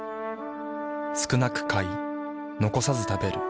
少なく買い残さず食べる。